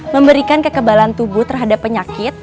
memberikan kekebalan tubuh terhadap penyakit